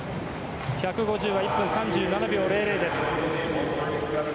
１５０は１分３７秒００です。